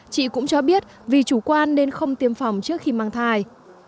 chị cũng cho biết vì chủ quan nên không tiêm phòng trước khi mang thai